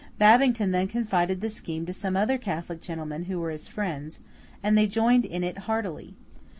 Babington then confided the scheme to some other Catholic gentlemen who were his friends, and they joined in it heartily.